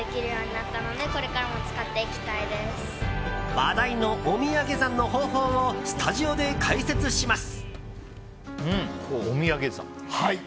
話題のおみやげ算の方法をスタジオで解説します。